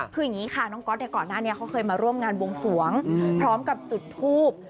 คืออย่างนี้ค่ะน้องก๊อตก่อนหน้านี้เขาเคยมาร่วมงานบวงสวงพร้อมกับจุดทูบ